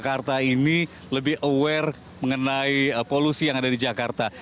jadi masyarakat jakarta ini lebih aware mengenai polusi yang ada di jakarta